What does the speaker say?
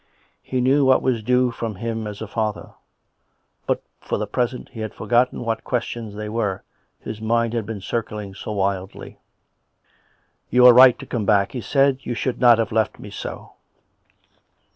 He knew what was due from him as a father. But for the present he had forgotten what questions they were; his mind had been circling so wildly, " You are right to come back," he said, " you should not have left me so."